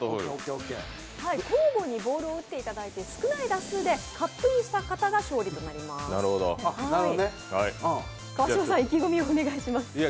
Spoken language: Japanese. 交互にボールを打っていただいて、少ない打数でカップインした方が勝利となります。